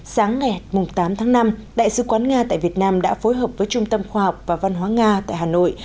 sáng ngày tám tháng năm đại sứ quán nga tại việt nam đã phối hợp với trung tâm khoa học và văn hóa nga tại hà nội